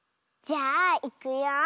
じゃあいくよ。